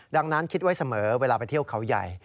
ดังนั้นคิดไว้เสมอเวลาไปเที่ยวเขาใหญ่